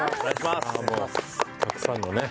もうたくさんのね